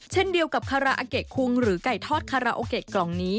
หรือไก่ทอดคาราอาเกกกล่องนี้